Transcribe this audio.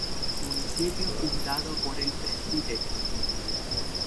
Municipio fundado por el Pbro.